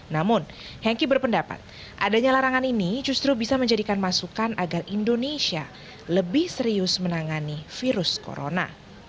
namun henki berpendapat adanya larangan ini justru bisa menjadikan masukan agar indonesia lebih serius menangani virus corona